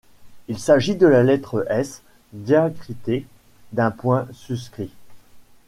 Il s'agit de la lettre S diacritée d'un point suscrit.